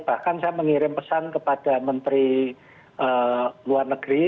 bahkan saya mengirim pesan kepada menteri luar negeri